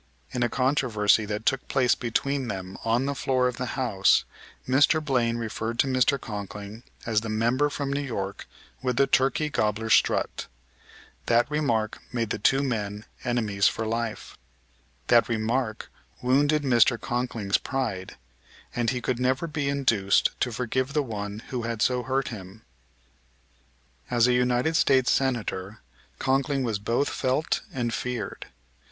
In a controversy that took place between them on the floor of the House Mr. Blaine referred to Mr. Conkling as the member from New York with the "turkey gobbler strut." That remark made the two men enemies for life. That remark wounded Mr. Conkling's pride; and he could never be induced to forgive the one who had so hurt him. As a United States Senator Conkling was both felt and feared.